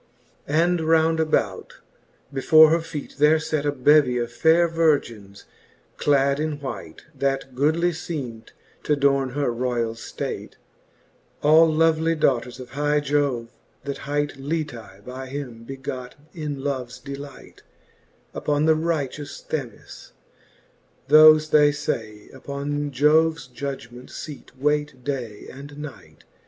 xxxi. And round about, before her feet there fate A bevie of faire Virgins clad in white, That goodly feem'd t'adorne her royall ftate, All lovely daughters of high Jove^ that hight Litcsy by him begot in loves delight Upon the righteous Themis : thofe, they fey. Upon Jo'ves judgement feat wayt day and night.